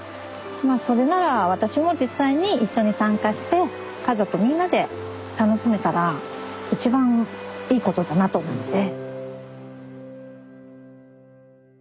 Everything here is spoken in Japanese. まあそれなら私も実際に一緒に参加して家族みんなで楽しめたら一番いいことだなと思って。